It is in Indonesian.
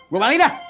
gua balik dah